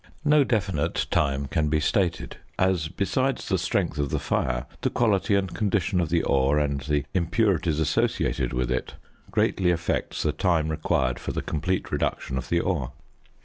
No definite time can be stated, as, besides the strength of the fire, the quality and condition of the ore, and the impurities associated with it, greatly affects the time required for the complete reduction of the ore.